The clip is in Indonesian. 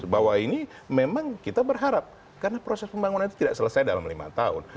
bahwa ini memang kita berharap karena proses pembangunan itu tidak selesai dalam lima tahun